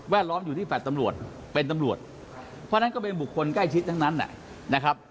ล้อมอยู่ที่แฟลต์ตำรวจเป็นตำรวจเพราะฉะนั้นก็เป็นบุคคลใกล้ชิดทั้งนั้นนะครับ